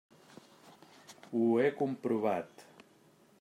Ho he comprovat.